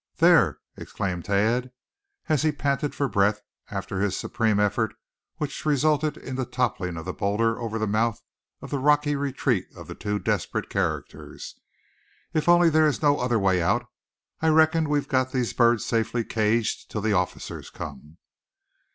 "There!" exclaimed Thad, as he panted for breath after his supreme effort which resulted in the toppling of the boulder over the mouth of the rocky retreat of the two desperate characters; "if only there is no other way out, I reckon we've got those birds safely caged till the officers come."